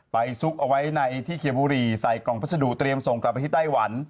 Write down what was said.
ซุกเอาไว้ในที่เคียบุรีใส่กล่องพัสดุเตรียมส่งกลับไปที่ไต้หวัน